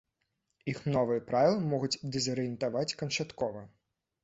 Іх новыя правілы могуць дэзарыентаваць канчаткова.